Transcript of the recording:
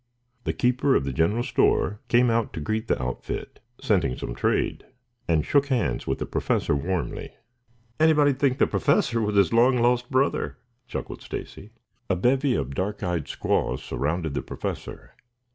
The keeper of the general store came out to greet the outfit, scenting some trade, and shook hands with the Professor warmly. "Anybody'd think the Professor was his long lost brother," chuckled Stacy. A bevy of dark eyed squaws surrounded the Professor.